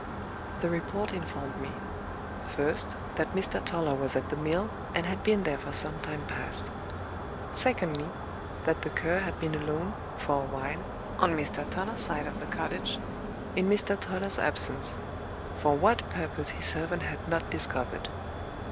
The report informed me: First, that Mr. Toller was at the mill, and had been there for some time past. Secondly: that the Cur had been alone, for a while, on Mr. Toller's side of the cottage, in Mr. Toiler's absence for what purpose his servant had not discovered.